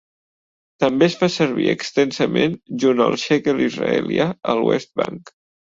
També es fa servir extensament junt al shekel israelià al West Bank.